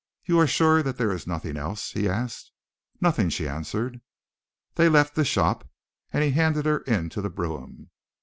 "You are sure that there is nothing else?" he asked. "Nothing," she answered. They left the shop and he handed her into the brougham.